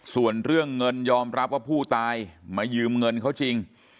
ส่วนเรื่องเงินยอมรับว่าผู้ตายมายืมเงินเขาจริง